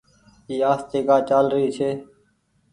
اي آستي ڪآ چآل ري ڇي۔